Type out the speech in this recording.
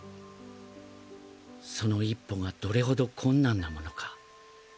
その一歩がどれ程困難なモノか。